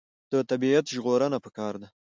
د طبیعت ژغورنه پکار ده.